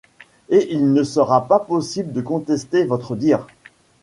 Et il ne sera pas possible de contester votre dire ?